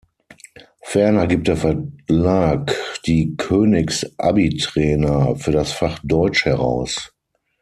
Ferner gibt der Verlag die „Königs Abi-Trainer“ für das Fach Deutsch heraus.